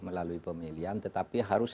melalui pemilihan tetapi harus